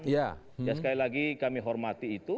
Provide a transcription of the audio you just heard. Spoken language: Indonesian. ya sekali lagi kami hormati itu